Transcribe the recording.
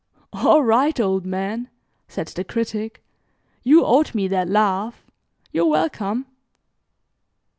"All right, old man," said the Critic, "you owed me that laugh. You're welcome."